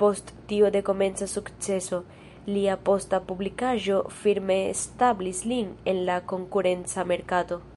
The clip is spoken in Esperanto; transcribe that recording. Post tiu dekomenca sukceso, lia posta publikaĵo firme establis lin en la konkurenca merkato.